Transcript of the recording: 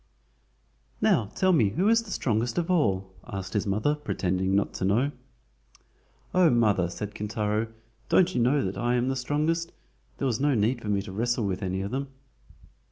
"Now tell me who is the strongest of all?" asked his mother, pretending not to know. "Oh, mother," said Kintaro, "don't you know that I am the strongest? There was no need for me to wrestle with any of them."